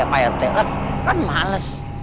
pak rt kan males